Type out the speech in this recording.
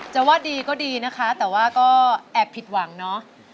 จะว่าดีก็ดีนะคะแต่ว่าก็แอบผิดหวังเนาะ